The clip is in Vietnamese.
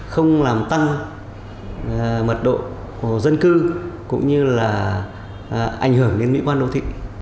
không làm tăng mật độ dân cư cũng như là ảnh hưởng đến mỹ quan đô thị